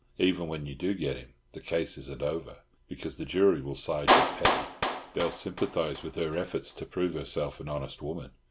Even when you do get him the case isn't over, because the jury will side with Peggy. They'll sympathise with her efforts to prove herself an honest woman.